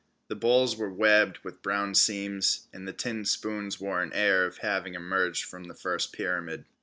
The bowls were webbed with brown seams, and the tin spoons wore an air of having emerged from the first pyramid.